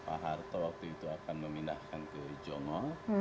pak harto waktu itu akan memindahkan ke jongo